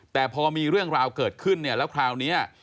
แต่พอมีเรื่องราวเกิดขึ้นเนี่ยแล้วคราวนี้